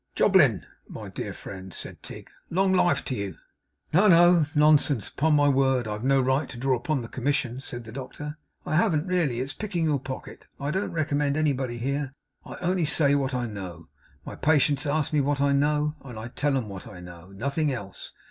'Jobling, my dear friend,' said Tigg, 'long life to you.' 'No, no. Nonsense. Upon my word I've no right to draw the commission,' said the doctor, 'I haven't really. It's picking your pocket. I don't recommend anybody here. I only say what I know. My patients ask me what I know, and I tell 'em what I know. Nothing else.